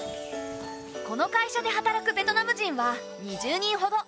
この会社で働くベトナム人は２０人ほど。